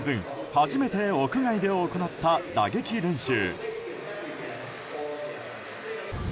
初めて屋外で行った打撃練習。